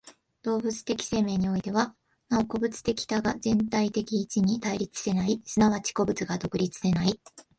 動物的生命においては、なお個物的多が全体的一に対立せない、即ち個物が独立せない。